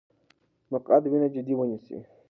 مقعد وینه جدي ونیسئ.